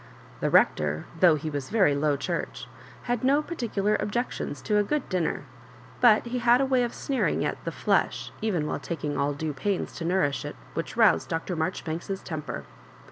The Rector, thoujgh he was very Low Church, had no particular objections to a good dinner — ^but he had a way of sneering at " the flesh, *^ even while takmg all due pains to nour ish it, which roused Dr. Marjoribanks's temper.